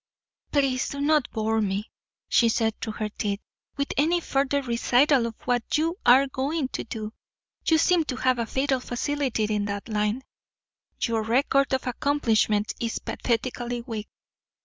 "Please do not bore me," she said through her teeth, "with any further recital of what you 'are going' to do. You seem to have a fatal facility in that line. Your record of accomplishment is pathetically weak.